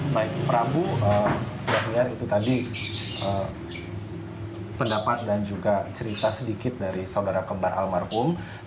baik prabu daniar itu tadi pendapat dan juga cerita sedikit dari saudara kembar almarhum